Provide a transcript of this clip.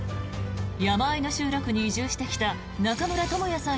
山あいの集落に移住してきた中村倫也さん